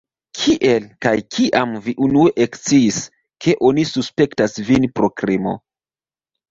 Kiel kaj kiam vi unue eksciis, ke oni suspektas vin pro krimo?